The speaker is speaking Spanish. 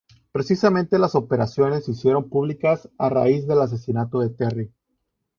Precisamente las operaciones se hicieron públicas a raíz del asesinato de Terry.